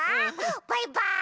バイバーイ！